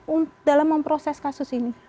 untuk dalam memproses kasus ini